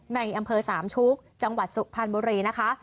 ในอำเภอสามชุกจังหวัดสุพรรณบุรีนะคะ